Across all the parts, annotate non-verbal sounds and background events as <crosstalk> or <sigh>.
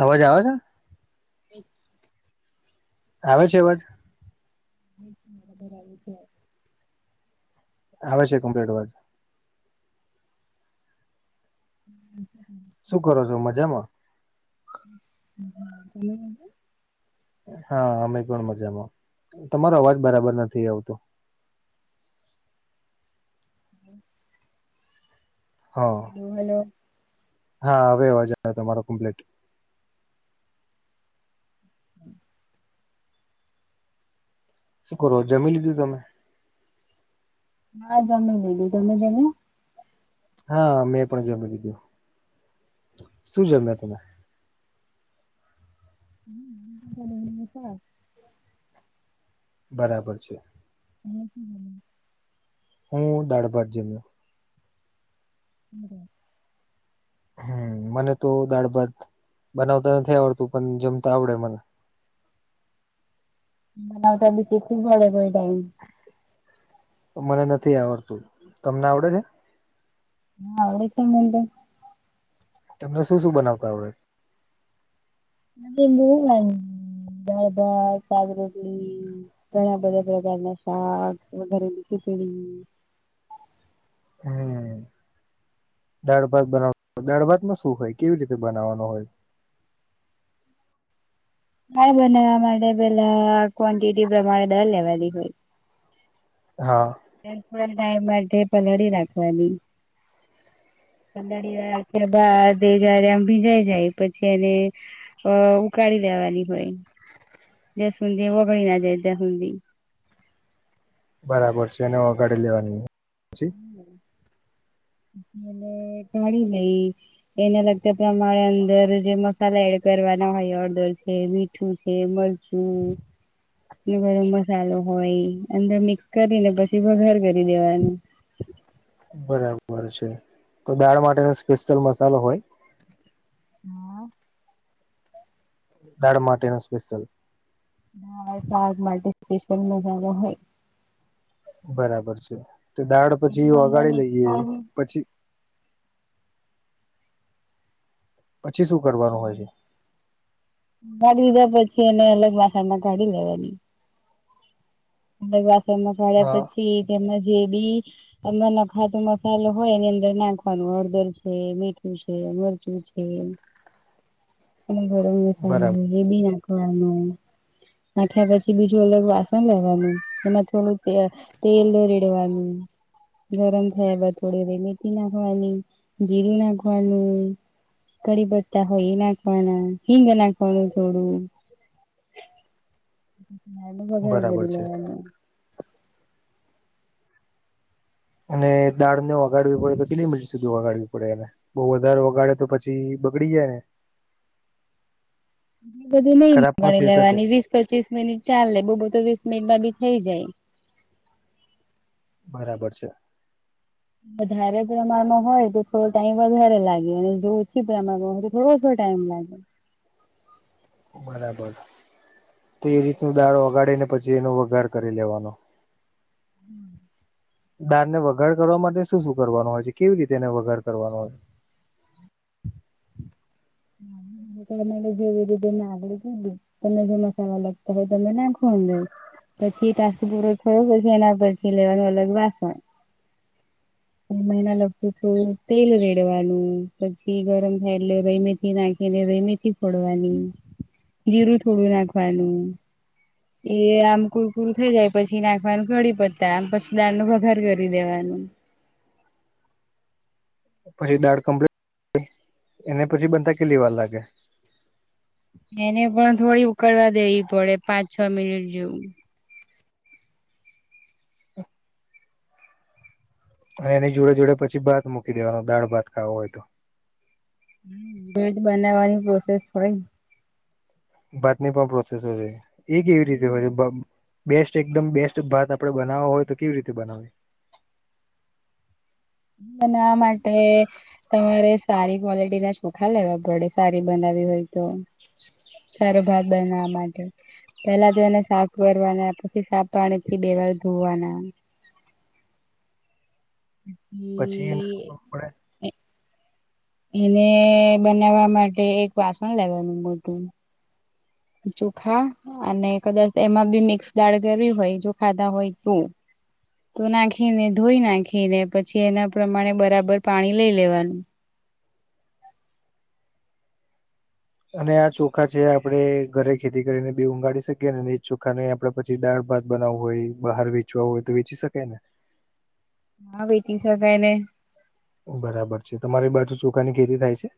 અવાજ આવે છે? અચ્છા. આવે છે અવાજ. આવી છે. આવે છે કમ્પલીટ અવાજ. હમ. શું કરો છો, મજામાં? <inaudible> હા, અમે પણ મજામાં. તમારો અવાજ બરાબર નથી આવતો. <inaudible> હા. લો હલો. હા, હવે અવાજ આયો તમારો કમ્પ્લેટ. શું કરો જમી લીધું તમે? હા, જમી લીધું. તમે જમ્યું? હા, મેં પણ જમી લીધું. શું જમ્યા તમે? <inaudible> બરાબર છે. <inaudible> હું દાળ ભાત જમ્યો. <inaudible> હમ્મ, મને તો દાળ ભાત બનાવતા નથી આવડતું પણ જમતા આવડે મને. બનાવતા બી શીખવું પડે ને એ ટાઈમ. તો મને નથી આવડતું. તમને આવડે છે? હા આવડે છે ને મન તો. તમને શું શું બનાવતા આવડે? અને મૂંગ આમ દાળ ભાત સાગ રોટલી ઘણા બધા પ્રકારના શાક વધારેલી ખીચડી હા. દાળ ભાત બનાવ દાળ ભાતમાં શું હોય કેવી રીતે બનાવવાનું હોય? હા બનાવવા માટે પેલા ક્વોન્ટિટી પ્રમાણે દાળ લેવાની હોય. હા. <unintelligible> ટાઈમ માટે પલળી રાખવાની. પલારી રાખ્યા બાદ એ જયારે આમ ભીજાય જાય પછી અને. અ ઉકાળી લેવાની હોય જાય સુંંધી ઓગળ ના જાય ત્યાં સુંધી. બરાબર છે એને ઓગાડીે લેવાની. પછી ને ગાળી લઈ. એને લગતા પ્રમાણે અંદર જે મસાલા એડ કરવાના હોય હળદર છે મી મીઠું છે મરચું ગરમ મસાલો હોય અંદર મિક્સ કરીને પછી વઘાર કરી દેવાનું. બરાબર છે તો દાળ માટેનો સ્પેશિયલ મસાલો હોય. હા. દાળ માટેનો સ્પેસીયલ. હા શાક માટે સ્પેશિયલ મસાલો હોય. બરાબર છે તો દાળ પછી એટલું અંદર વઘારી મિક્સ લઈએ કરી પછી. પછી શું કરવાનું હોય છે. ગળી દીધા પછી એને અલગ વાસણ મા કાઢી લેવાની. અલગ વાસણમાં કાઢ્યા હા પછી તેમાંનાં જે ડીશ તમા નખાતો મસાલો હોય એની અંદર નાખવાનું હળદર છે મીઠું છે મરચું છે. હમમ. <inaudible> એ બરાબર <unintelligible> એબી નાખવાનું નાખ્યા પછી બીજું અલગ વાસણ લેવાનું એમાં થોડું તે તેલ રેડવાનું ગરમ થયા બાદ થોડી રે મેથી નાખવાની, જીરું નાખવાનું કઢી પત્તા હોય એ નાકવાના, હિંગ નાકવાનું થોડું નાનું બજ બરાબર કરી છે લેવાનુ અને દાળ ને વગાડવી પડે તો કેટલી મિનિટ સુધી વગાડવી પડે એને બઉુ વધારે વગાડે તો પછી બગડી જાયે એ બધું નઈ ખરાબ પણ મગાવી થઈ શકે લેવાની વીસ પચીસ મિનિટ ચાલેે બહુ બો તો વીસ મિનિટમાં બી થઈ જાય બરાબર છે. વધારે પ્રમાણમાં હોય તો થોડો ટાઈમ વધારે લાગે અને જો ઓછી પ્રમાણમાં હોય થોડોસો ટાઈમ લાગે બરાબર તે રીતનો દાળો વગાડી ને પછી એનો વઘાર કરી લેવાનો. દાળ ને વગાડ કરવા માટે શું શું કરવાનું હોય છે? કેવી રીતે એને વગાડ કરવાનું હોય છે? <unintelligible> તમને જે મસાલા લગતા હોય તેને નાખો અંદર પછી એ ટાસ્ પૂરો થયો પછી એના પછી લેવાનો અલગ વાસ બે મહિના લખતું થોડુ તેલ રેડવાનું પછી ગરમ થાય એટલે રઈ, મેથી નાખીને રઈમેથી પડવાની. જીરું થોડું નાખવાનું એ આમ કુરુકુરું થઇ જાય પછી નાખવાનું કઢી પત્તા પછી દાડ નો વઘાર કરી દેવાનું. પછી દાળ કમ્પિટ એને પછી બનતા કેલી વાર લાગે. એને પણ થોડી ઉકળવા દેવી પડે પાંચ છ મિનિટ જેવું. એ એની જોડે જોડે પછી ભાત મુકી દેવાનુ દાળ ભાત ખાવો હોય તો. હ મ ભટ્ટ બનાવવાની પ્રોસેસ પન ભટ્ટ ની પણ પ્રોસેસ હોય છે એ કેવી રીતે હોય છે? બ બેસ્ટ એકદમ બેસ્ટ ભાત આપડે બનાવા હોય તો કેવી રીતે બનાવવીએ? અને આ માટે તમારે સારી ક્વોલિટી ના ચોખા લેવા પડે સારી બનાવી હોય તો સારો ભાત બનાવા માટે પેલા તો એને સાફ કરવાના, પછી સાફ પાણી થી બે વાર ધોવાના. પછી એને શું કરવા એને બનાવા માટે એક વાસણ લેવાનું મોટું ચોખા અને કદાચ એમાં બી મિક્સ દાળ કરવી હોય જો ખાધા હોય તો તું નાખીને ધોઈ નાખી ને પછી એના પ્રમાણે બરાબર પાણી લઈ લેવાનું અને આ ચોખા છે આપડે ઘરે ખેતી કરીને બી ઊગાડી શકીએ ને એજ ચોખા ને આપડે પછી દાળ ભાત બનાવવું હોય, બહાર વેચવા હોય તો વેચી શકાય ને આ વેટિંગ <inaudible> ને ઓ બરાબર છે. તમારી બાજુ ચોખા ની ખેતી થાય છે?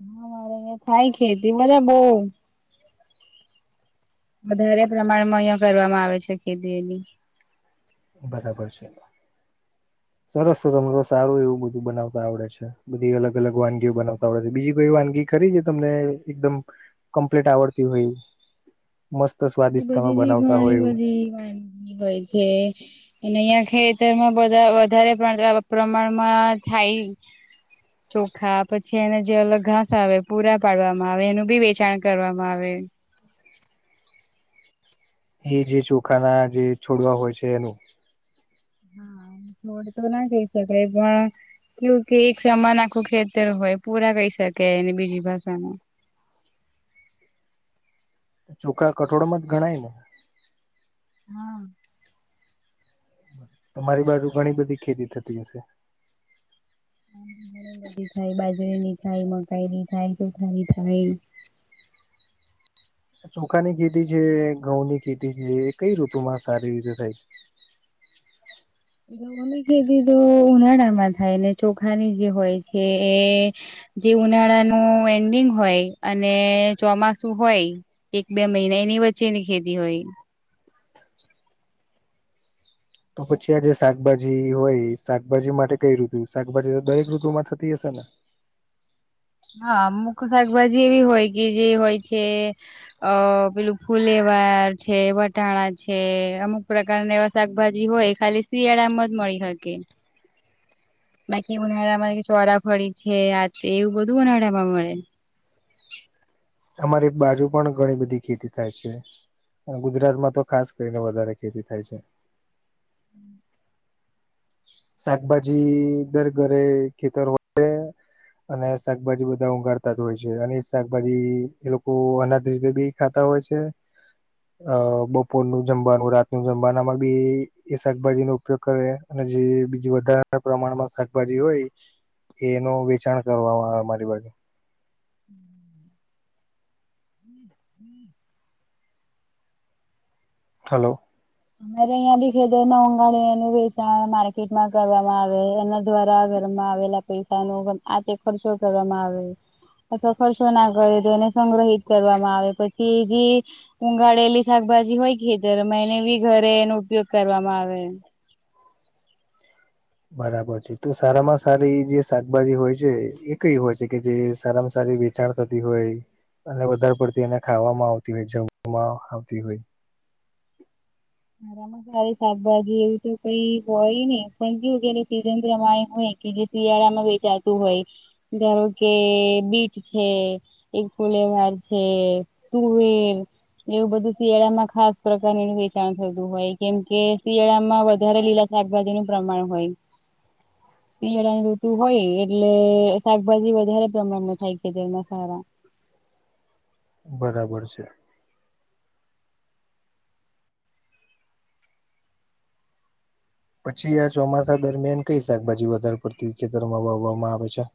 હ મારે અ થાય ખેતી મલે બો વધારે પ્રમાણમાં અહિયાં કરવામાં આવે છે ખેતી એની બરાબર છે. સરસ હો, તમને તો સારું એવું બધું બનાવતા આવડે છે. બધી અલગ અલગ વાનગીઓ બનાવતા આવડે બીજી કોઈ વાનગી ખરી જે તમને એકદમ કમ્પ્લીટ આવડતી હોઈ. બીજી બધીધી બનાવતા હોય ઘણી એવું બધી વાનગી હોય છે. અને અહિયાં ખેતરમાં બધા વધારે પ્રના પ્રમાણમાં થાય છે. હ ચોખા પછી એને જે અલગ ઘાસ આવે પૂરા પાડવામાં આવે એનું બી વેચાણ કરવામાં આવે એ જે ચોખાના જે છોડવા હોય છે એનું હા છોડ તો ના કઈ શકાય પણ ક્યૂ કી એક સમાન આખું ખેતર હોય પૂરા કઈ શકે એને બીજી ભાષામાં. ચોખા કઠોળમાં જ ગણાય ને. હા તમારી બાજુ ઘણી બધી ખેતી થતી હશે ઘણી બધી થાય બાજરી ની થાય મકાઈ ની થાય તો ખારી થાય ચોખાની ખેતી છે ઘઉં ની ખેતી છે એ કઈ ઋતુમાં સારી રીતે થાય છે ની ખેતી તો ઉનાળામાં થાય ને ચોખાની જે હોય છે એ જે ઉનાળાનું એન્ડિંગ હોય અને ચોમાસું હોય એક બે મહિના એની વચ્ચે ની ખેધી હોય તો પછી આ જે શાકભાજી હોય શાકભાજી માટે કઈ ઋતુ શાકભાજી દરેક ઋતુ માં થતી હશે ને હા અમુક શાકભાજી એવી હોય કે જે હોય છે અ પેલું ફુલેવાર છે વટાણા છે અમુક પ્રકારને શાકભાજી હોય ખાલી શિયાળામાં જ મળી શકે હ બાકી ઉનાળા માં ચોરાફરી છે આ એવું બધું ઉનાળામાં મળે અમારી બાજુ પણ ઘણી બધી ખેતી થાય છે ગુજરાતમાં તો ખાસ કરીને વધારે ખેતી થાય છે હમ શાકભાજી ઘર ઘરે ખેતર વ અને શાકભાજી બધા ઉગાડતા જ હોય છે અને એ શાકભાજી એ લોકો અનાથ ર બી ખાતા હોય છે અ બપોરનું જમવાનું રાત ન જમવાનુંમાં બે એ શાકભાજી નો ઉપયોગ કરે અને જે બીજ વધારા પ્રમાણમાં શાકભાજી હોય એનું વેચાણ કરવામાં આવે અમારી બાગે હમ હલો અમારે અહંયા દખે મોગાળનું વેચાણ માર્કેટમાં કરવામાં આવે એ દ્વારા ઘરમાં આવેલા પૈસા ન આ તે ખર્ચો કરવામાં આવે અથવા ખર્ચો ના કરે તો એને સંગ્રહિત કરવામાં આવે પછી જે ઉઘાળેલી શાકભાજી હોય કે તરમ એને બી ઘરે એનો ઉપયોગ કરવામાં આવે બરાબર છે તો સારામાં સારી જે શાકભાજી હોય છે એ કઈ હોય છે કે જે સારામાં સારી વેચાણ થતી હોય અને વધારે પડતી એને ખાવામાં આવતી હોય જવામાં આવતી હોય મારા રી શાકભાજી એવું તો કઈ હોય ને પણ જોું કેને સિઝનમાય હોય કે જે શિયાળામાં વેચાતું હોય ધારો કે બીટ છે એકફલે વાાર છે તુરર એવું બધું શળામાં ખાસ પ્રકારની થતું હોય કેમકે શિયાળામાં વધારે લીલા શાકભાજી નું પ્રમાણ હોય હ પળાની ઋતુ હોય એટલે શાકભાજી વધારે પ્રમાણમાં થાય છે તેના સારા બરાબર છે પછી આ ચોમાસા દરમિયાન કઈ શાકભાજી વધારે પડતી ખેતર માં વાવવામાં આવે છે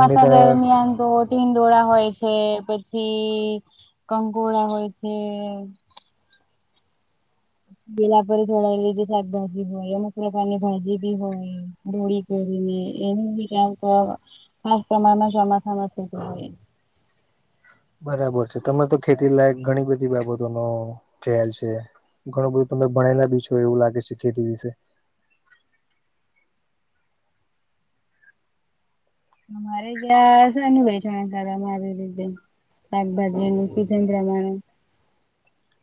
એમની તરફ મિયા દોધ ીંડોળા હોય છે પછી કંકોુળા હોય છે પેલા પરરી થોડા લીધ શાકભાજી હોય અમુક પ્રકારની ભાજી બી હોય દોળ કરીને એને બી ક્યાંક ખાસ પ્રમાણ ના ચોમાખ નથી કર બરાબર છે તમે તો ખેતી લાયક ઘણી બધી બાબતો નો ખ્યાલ છે ઘણું બધું તમે ભણેલા બી છો એવું લાગે છે ખેતી વિશે અમારે ત્યા શ કરમારી રીતે શાકભાજીનું પીજન પ્રમાણ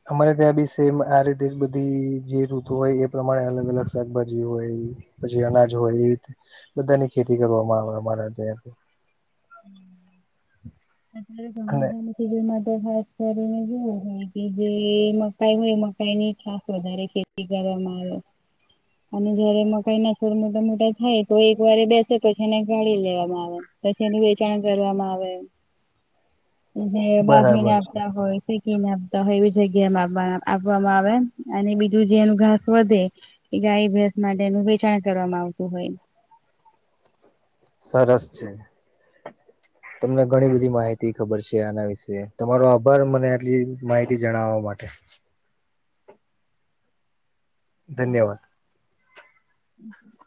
અમારે ત્યાં બી સેમ આ રીતે બધી જે ઋતુ હોય એ પ્રમાણે અલગ અલગ શાકભાજી હોય પછી અનાજ હોય એવી રીતે બધાની ખેતી કરવામાં આવે અમારા ત્યાંથી <inaudible> એ ગ <unintelligible> માટે ખાસ કરીને જેવું હોય કે જે મકાઈ હોય મકાઈ ની ખાસ વધારે ખેતી ખેતી કરે મારો <inaudible> અને જયારે મકાઈ ના છર મોટા મોટા થાય તો એક વાર બેસે પછી એને ગાળી લેવામાં આવે પછી એનું વેચાણ કરવામાં આવે એમ હ બાફવીને બરાબર છે આપતા હોય કને આપતા હોય એવી જગ્યામાં આપવામાં આવે અને બીજું જેનું ઘાસ વધે એ ગાય ભેસ માટેનું વેચાણ કરવામાં આવતું હોય સરસ છે તમને ઘણી બધી માહિતી ખબર છે આના વિશે તમારો આભાર મને આટલી માહિતી જણાવવા માટે ધન્યવાદ હમ